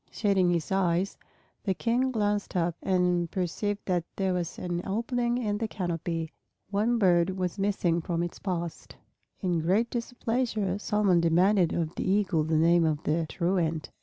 Shading his eyes, the King glanced up and perceived that there was an opening in the canopy. One bird was missing from its post. In great displeasure Solomon demanded of the Eagle the name of the truant.